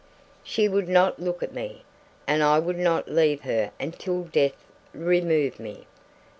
She would not look at me. And I would not leave her until death removed me.